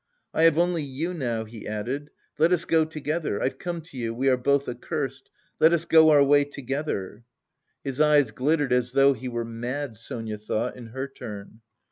"I have only you now," he added. "Let us go together.... I've come to you, we are both accursed, let us go our way together!" His eyes glittered "as though he were mad," Sonia thought, in her turn.